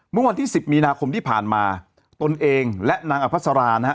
เมื่อวันที่สิบมีนาคมที่ผ่านมาตนเองและนางอภัสรานะฮะ